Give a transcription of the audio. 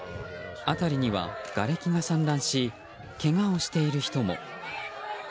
辺りには、がれきが散乱しけがをしている人も。